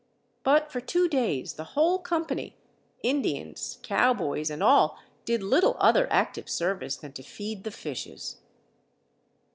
But for two days the whole company, Indians, cowboys, and all, did little other active service than to feed the fishes.